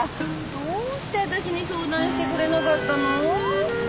どうしてわたしに相談してくれなかったの？